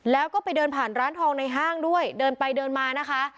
แล้วก็ไปเดินผ่านร้านทองในห้างด้วยเดินไปเดินมานะคะ